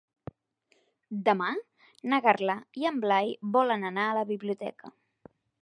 Demà na Carla i en Blai volen anar a la biblioteca.